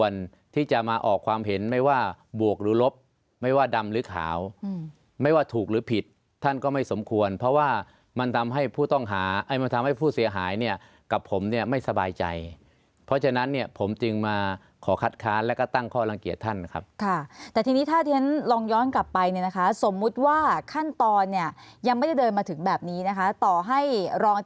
ที่จะมาออกความเห็นไม่ว่าบวกหรือลบไม่ว่าดำหรือขาวไม่ว่าถูกหรือผิดท่านก็ไม่สมควรเพราะว่ามันทำให้ผู้ต้องหามันทำให้ผู้เสียหายเนี่ยกับผมเนี่ยไม่สบายใจเพราะฉะนั้นเนี่ยผมจึงมาขอคัดค้านแล้วก็ตั้งข้อลังเกียจท่านครับค่ะแต่ทีนี้ถ้าที่ฉันลองย้อนกลับไปเนี่ยนะคะสมมุติว่าขั้นตอนเนี่ยยังไม่ได้เดินมาถึงแบบนี้นะคะต่อให้รอง